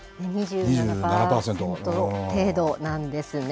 ２７％程度なんですね。